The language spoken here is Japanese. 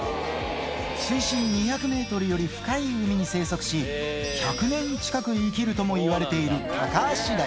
水深２００メートルより深い海に生息し、１００年近く生きるとも言われているタカアシガニ。